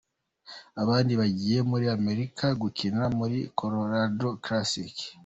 Abandi bagiye muri Amerika gukina muri Colorado Classic.